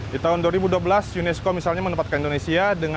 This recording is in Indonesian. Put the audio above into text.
di tahun dua ribu dua belas unesco misalnya menempatkan indonesia